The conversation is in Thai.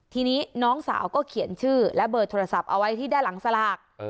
ทีนี้น้องสาวก็เขียนชื่อและเบอร์โทรศัพท์เอาไว้ที่ด้านหลังสลาก